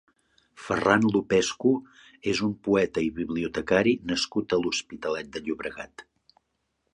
Ferran Lupescu és un poeta i bibliotecari nascut a l'Hospitalet de Llobregat.